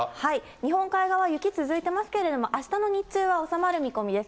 日本海側、雪続いてますけれども、あしたの日中は収まる見込みです。